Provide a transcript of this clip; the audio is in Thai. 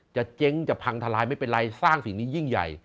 เจ๊งจะพังทลายไม่เป็นไรสร้างสิ่งนี้ยิ่งใหญ่